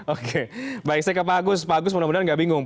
oke baik saya ke pak agus pak agus mudah mudahan nggak bingung